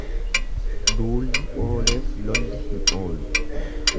Duulli ooleef lolli hin oolu.